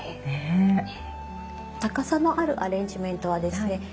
高さのあるアレンジメントはですね